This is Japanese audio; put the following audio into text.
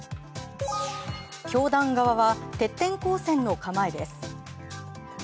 教団側は徹底抗戦の構えです。